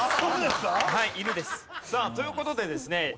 さあという事でですね